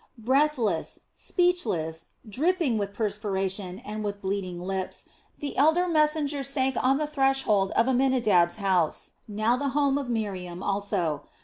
Breathless, speechless, dripping with perspiration, and with bleeding lips, the elder messenger sank on the threshold of Amminadab's house, now the home of Miriam also.